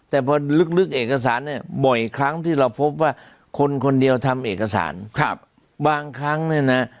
แต่พอลึกเอกสารเนี่ยบ่อยครั้งที่เราพบว่าคนคนเดียวทำเอกสารครับบางครั้งเนี่ยนะ